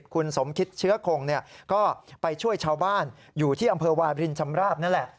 คุณสมคิดเชื้อคงก็ไปช่วยชาวบ้านอยู่ที่อำเภอวาบรินชำราบนั่นแหละ